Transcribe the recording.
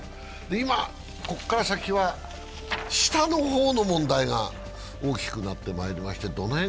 今ここから先は下の方の問題が大きくなってまいりました。